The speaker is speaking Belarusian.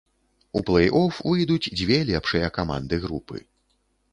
У плэй-оф выйдуць дзве лепшыя каманды групы.